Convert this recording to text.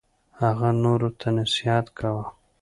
هغه نورو ته نصیحت کاوه.